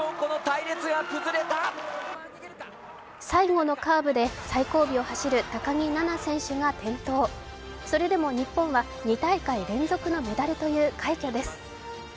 最後のカーブで最後尾を走る高木菜那選手が転倒それでも日本は２大会連続のメダルという快挙です。